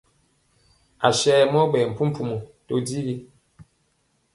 Aswe mɔ ɓɛɛ mpumpumɔ to digi.